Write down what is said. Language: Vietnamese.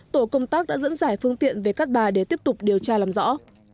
tổ công tác đã dẫn giải phương tiện về cát bà để tiếp tục điều tra làm rõ